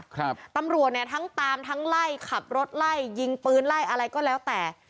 ครับตำรวจเนี่ยทั้งตามทั้งไล่ขับรถไล่ยิงปืนไล่อะไรก็แล้วแต่